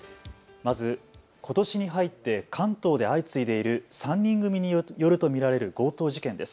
まず、ことしに入って関東で相次いでいる３人組によると見られる強盗事件です。